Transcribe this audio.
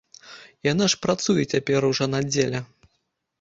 Яна ж працуе цяпер у жанаддзеле.